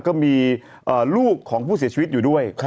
ก็มีลูกของผู้เสียชีวิตอยู่ด้วย